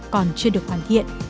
còn chưa được hoàn thiện